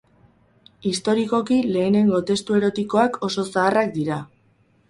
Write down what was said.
Historikoki lehenengo testu erotikoak oso zaharrak dira.